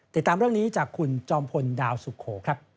ติดตามเรื่องนี้จากคุณจอมพลดาวสุโขครับ